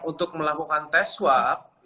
untuk melakukan tes swab